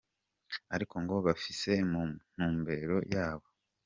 Ariko ngo babifise mu ntumbero yabo.